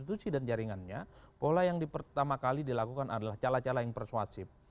institusi dan jaringannya pola yang pertama kali dilakukan adalah cala cala yang persuasif